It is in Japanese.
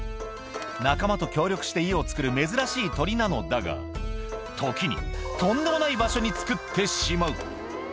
仲間と協力して家を作る珍しい鳥なのだが、時に、とんでもない場所に作ってしまう。